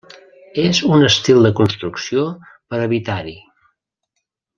És un estil de construcció per a habitar-hi.